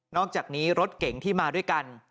อกจากนี้รถเก่งที่มาด้วยกัน